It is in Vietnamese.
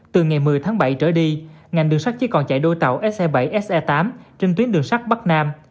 từ ngày một mươi tháng bảy trở đi ngành đường sắt chỉ còn chạy đôi tàu se bảy se tám trên tuyến đường sắt bắc nam